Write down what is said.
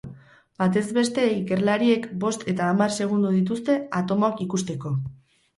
Batez beste, ikerlariek bost eta hamar segundo dituzte atomoak ikusteko.